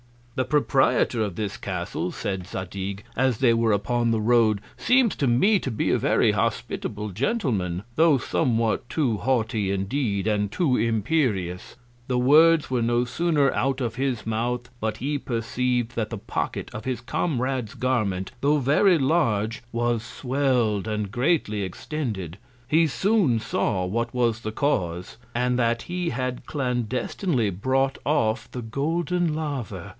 The Proprietor of this Castle, said Zadig, as they were upon the Road, seems to me to be a very hospitable Gentleman; tho' somewhat too haughty indeed, and too imperious: The Words were no sooner out of his Mouth, but he perceiv'd that the Pocket of his Comrade's Garment, tho' very large, was swell'd, and greatly extended: He soon saw what was the Cause, and that he had clandestinely brought off the Golden Laver.